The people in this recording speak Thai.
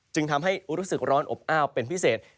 จึงทำให้รู้สึกร้อนอบอ้าวเป็นพิเศษ